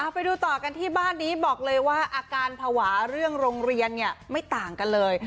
ไปดูต่อกันที่บ้านนี้บอกเลยว่าอาการภาวะเรื่องโรงเรียนไม่ต่างกันเลย